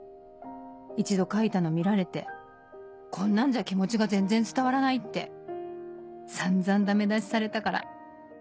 一度書いたの見られて『こんなんじゃ気持ちが全然伝わらない』って散々ダメ出しされたから」。